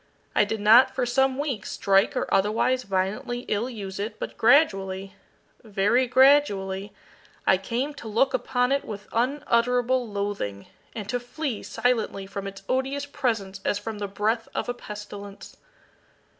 I did not, for some weeks, strike or otherwise violently ill use it, but gradually very gradually I came to look upon it with unutterable loathing, and to flee silently from its odious presence as from the breath of a pestilence.